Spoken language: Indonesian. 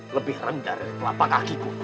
lebih rendah dari telapak kakiku